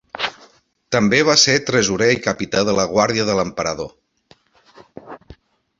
També va ser Tresorer i capità de la Guàrdia de l'Emperador.